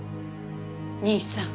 兄さん。